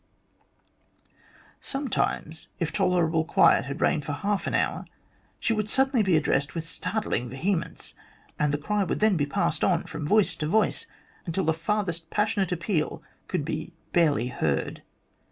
Sometimes, if tolerable quiet had reigned for half an hour, she would suddenly be addressed with startling vehemence, and the cry would then be passed on from voice to voice, until the farthest passion ate appeal could be barely heard.